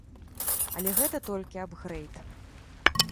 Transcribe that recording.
Але гэта толькі ап-грэйд.